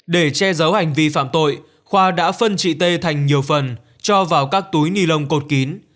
để che giấu hành vi phạm tội khoa đã phân chị t thành nhiều phần cho vào các túi nilon cột kín